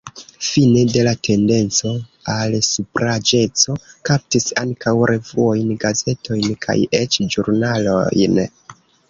Fine la tendenco al supraĵeco kaptis ankaŭ revuojn, gazetojn kaj eĉ ĵurnalojn.